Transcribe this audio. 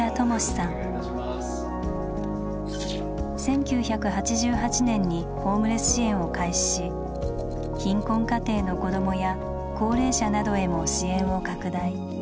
１９８８年にホームレス支援を開始し貧困家庭の子どもや高齢者などへも支援を拡大。